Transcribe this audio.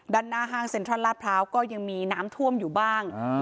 ด้านหน้าห้างเซ็นทรัลลาดพร้าวก็ยังมีน้ำท่วมอยู่บ้าง